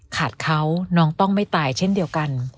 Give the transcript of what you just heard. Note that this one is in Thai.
ขาดเขาน้องต้องไม่ตายเช่นเดียวกัน